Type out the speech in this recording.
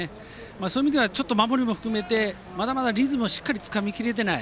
そういう意味ではちょっと守りも含めて、まだまだリズムをつかみきれていない。